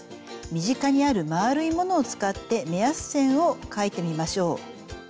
身近にある丸いものを使って目安線を描いてみましょう。